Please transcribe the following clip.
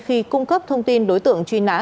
khi cung cấp thông tin đối tượng truy nã